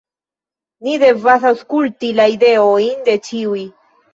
"Ni devas aŭskulti la ideojn de ĉiuj."